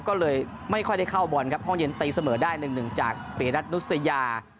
ก็เลยไม่ค่อยได้เข้าบอลครับห้องเย็นตีเสมอได้๑๑จากปีรัฐนุษยา